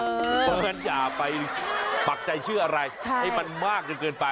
เพราะฉะนั้นอย่าไปปักใจเชื่ออะไรให้มันมากจนเกินไป